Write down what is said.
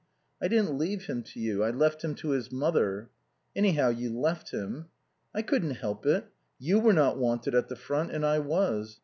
"I didn't leave him to you. I left him to his mother." "Anyhow, you left him." "I couldn't help it. You were not wanted at the front and I was.